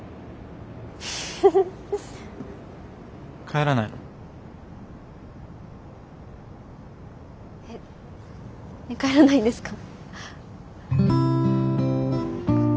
帰らないの？え帰らないんですか？